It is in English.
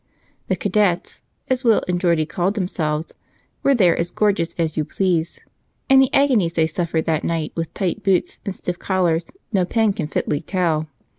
"The cadets," as Will and Geordie called themselves, were there as gorgeous as you please, and the agonies they suffered that night with tight boots and stiff collars no pen can fitly tell.